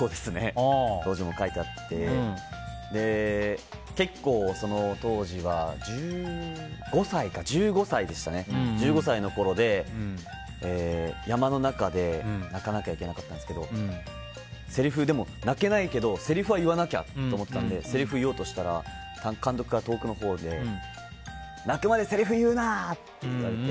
当時も書いてあって、当時は１５歳のころで、山の中で泣かなきゃいけなかったんですが泣けないけどせりふは言わなきゃと思っていたのでせりふを言おうとしたら監督が遠くのほうで泣くまでせりふ言うな！って言われて。